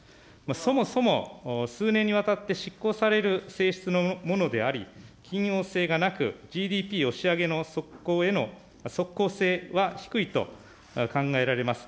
そもそも数年にわたって執行される性質のものであり、緊要性がなく、ＧＤＰ押し上げへの即効性は低いと考えられます。